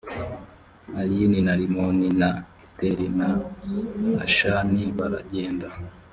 ayini na rimoni na eteri na ashani baragenda